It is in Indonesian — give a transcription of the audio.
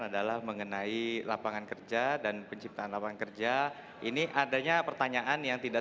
adalah mengenai lapangan kerja dan penciptaan lapangan kerja ini adanya pertanyaan yang tidak